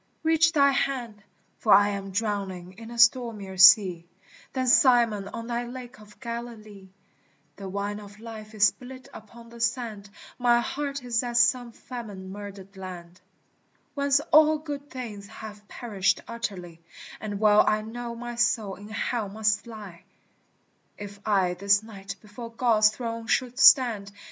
reach thy hand, For I am drowning in a stormier sea Than Simon on thy lake of Galilee : The wine of life is spilt upon the sand, My heart is as some famine murdered land, Whence all good things have perished utterly, And well I know my soul in Hell must lie If I this night before God's throne should stand.